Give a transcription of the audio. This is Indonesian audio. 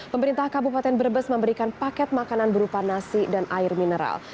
pemerintah kabupaten brebes memberikan paket makanan berupa nasi dan air mineral